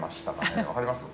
わかります？